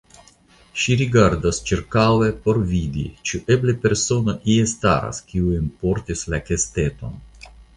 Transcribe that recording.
Ŝi rigardas ĉirkaŭe por vidi, ĉu eble persono ie staras, kiu enportis la kesteton.